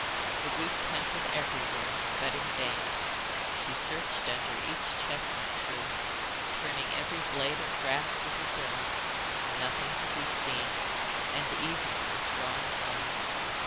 The goose hunted everywhere, but in vain. She searched under each chestnut tree, turning every blade of grass with her bill nothing to be seen, and evening was drawing on!